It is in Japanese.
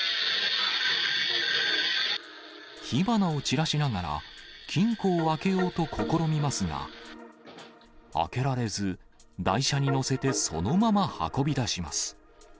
火花を散らしながら、金庫を開けようと試みますが、開けられず、台車に載せてそのまま運び出します。